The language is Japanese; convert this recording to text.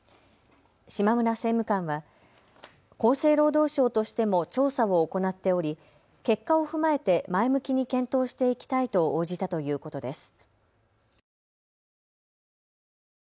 島村政務官は厚生労働省としても調査を行っており結果を踏まえて前向きに検討していきたいと応じたということです。